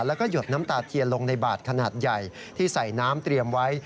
แล้วก็หยดน้ำตาเทียนลงในบาดขนาดใหญ่ที่ใส่น้ำเตรียมไว้